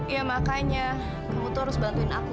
ya makanya kamu tuh harus bantuin aku